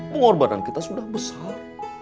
pengorbanan kita sudah besar